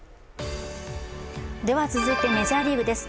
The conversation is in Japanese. では続いてメジャーリーグです。